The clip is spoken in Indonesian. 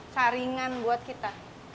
saringan buat kita